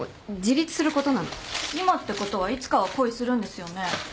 今ってことはいつかは恋するんですよね？